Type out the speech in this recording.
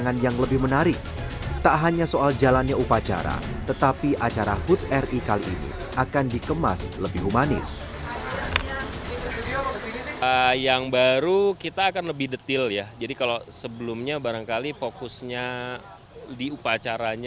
kru yang akan menempatkan kursi di belakang layar